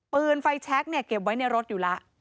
ปืนไฟแชคเนี่ยเก็บไว้ในรถอยู่แล้ว